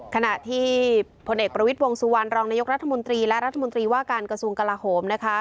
ขณะที่พลเอกประวิทย์วงสุวรรณรองนายกรัฐมนตรีและรัฐมนตรีว่าการกระทรวงกลาโหมนะคะ